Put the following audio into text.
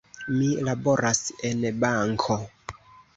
Mi laboras en banko.